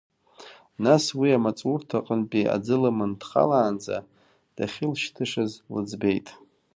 Нас уи амаҵурҭа аҟынтәи аӡы лыман дхалаанӡа дахьылшьҭышаз лыӡбеит.